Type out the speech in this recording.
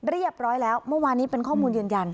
เรียบร้อยแล้วเมื่อวานนี้เป็นข้อมูลยืนยัน